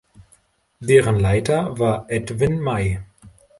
Deren Leiter war Edwin May.